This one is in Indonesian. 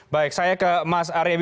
baik saya ke mas arya eby